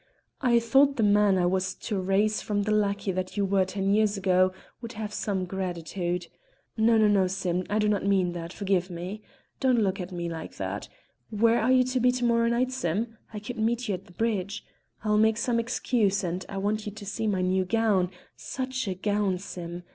I thought the man I was to raise from the lackey that you were ten years ago would have some gratitude. No, no, no, Sim; I do not mean that, forgive me. Don't look at me like that! Where are you to be to morrow night, Sim? I could meet you at the bridge; I'll make some excuse, and I want you to see my new gown such a gown, Sim!